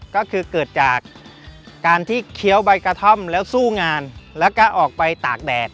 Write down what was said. ก็คือเกิดจากการที่เคี้ยวใบกระท่อมแล้วสู้งานแล้วก็ออกไปตากแดด